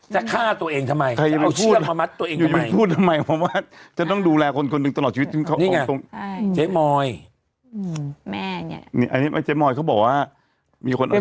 จริงชิงยูอี้เป็นคนไม่ใช่อย่างนั้น